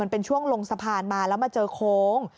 เป็นช่วงลงสะพานมาแล้วมาเจอโค้ง